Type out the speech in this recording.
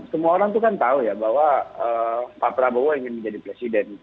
semua orang itu kan tahu ya bahwa pak prabowo ingin menjadi presiden